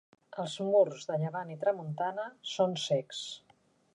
Els murs de llevant i tramuntana són cecs.